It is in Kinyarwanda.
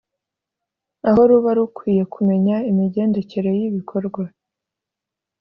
aho ruba rukwiye kumenya imigendekere y’ibikorwa